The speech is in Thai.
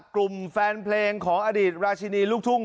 กลุ่มแฟนเพลงของอดีตราชินีลูกทุ่ง